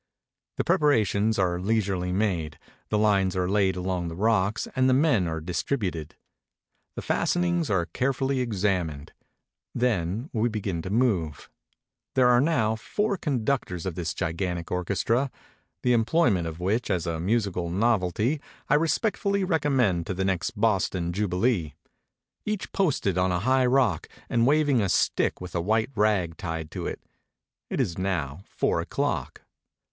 The preparations are leisurely made, the Hnes are laid along the rocks and the men are distributed. The fas tenings are carefully examined. Then we begin to move. There are now four conductors of this gigantic orches tra (the emplo}Tnent of which as a musical novelty I respectfully recommend to the next Boston Jubilee), each posted on a high rock, and waving a stick with a white rag tied to it. It is now four o'clock.